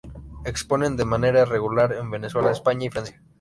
Expone de manera regular en Venezuela, España y Francia.